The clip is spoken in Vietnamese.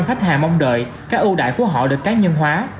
hai mươi ba khách hàng mong đợi các ưu đại của họ được cá nhân hóa